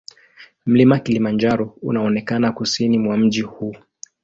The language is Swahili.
Mlima Kilimanjaro unaonekana kusini mwa mji huu.